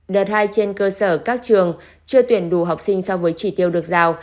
đợt hai trên cơ sở các trường chưa tuyển đủ học sinh so với chỉ tiêu được giao